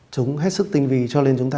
chúng hết sức tinh vì cho lên chúng ta